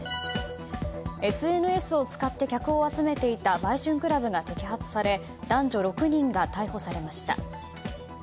ＳＮＳを使って客を集めていた売春クラブが摘発され男女６人が逮捕されました。